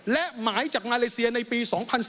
และหมายจากมาเลเซียในปี๒๐๑๙